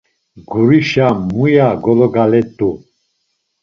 Gurişe muya gologalet̆u?